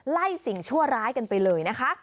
สิ่งชั่วร้ายกันไปเลยนะคะ